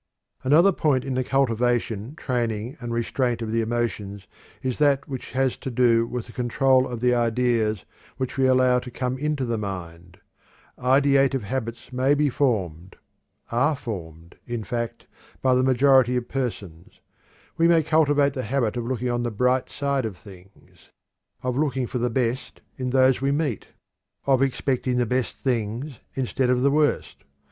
Another point in the cultivation, training, and restraint of the emotions is that which has to do with the control of the ideas which we allow to come into the mind. Ideative habits may be formed are formed, in fact, by the majority of persons. We may cultivate the habit of looking on the bright side of things; of looking for the best in those we meet; of expecting the best things instead of the worst.